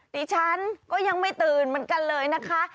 ดิฉันก็ยังไม่ตื่นเหมือนกันเลยนะคะ